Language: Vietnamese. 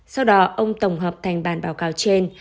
sau đó ông tổng hợp thành bản báo cáo trên